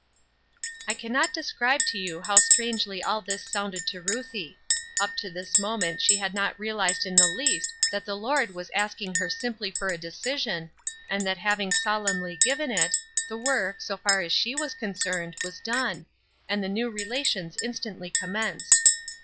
I can not describe to you how strangely all this sounded to Ruthie. Up to this moment she had not realized in the least that the Lord was asking her simply for a decision, and that having solemnly given it, the work, so far as she was concerned, was done, and the new relations instantly commenced.